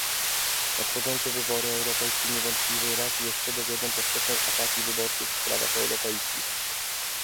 Nadchodzące wybory europejskie niewątpliwie raz jeszcze dowiodą powszechnej apatii wyborców w sprawach europejskich